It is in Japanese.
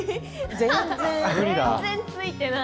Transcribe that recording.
全然ついてない。